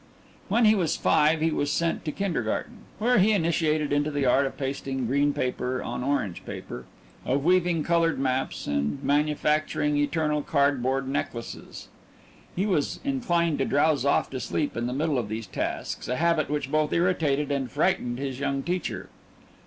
When he was five he was sent to kindergarten, where he was initiated into the art of pasting green paper on orange paper, of weaving coloured maps and manufacturing eternal cardboard necklaces. He was inclined to drowse off to sleep in the middle of these tasks, a habit which both irritated and frightened his young teacher.